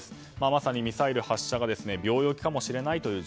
まさにミサイル発射が秒読みかもしれないという